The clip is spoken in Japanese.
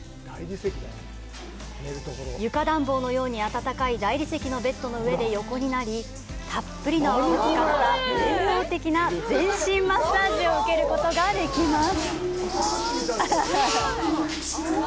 床暖房のように温かい大理石のベッドの上で横になりたっぷりの泡を使った伝統的な全身マッサージを受けることができます。